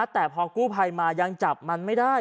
แต่พอกู้ภัยมายังจับมันไม่ได้